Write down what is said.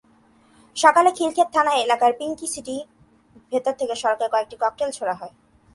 সকালে খিলক্ষেত থানা এলাকার পিংক সিটির ভেতর থেকে সড়কে কয়েকটি ককটেল ছোড়া হয়।